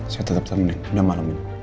saya tetep temenin udah malem ini